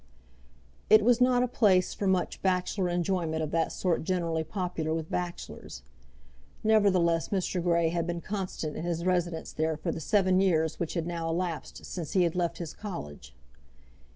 It was not a place for much bachelor enjoyment of that sort generally popular with bachelors; nevertheless Mr. Grey had been constant in his residence there for the seven years which had now elapsed since he had left his college.